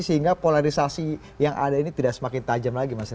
sehingga polarisasi yang ada ini tidak semakin tajam lagi mas